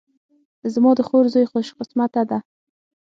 زما د خور زوی خوش قسمته ده